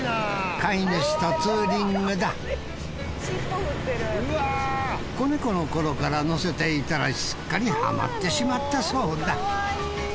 飼い主とツーリングだ小猫の頃から乗せていたらすっかりハマってしまったそうだ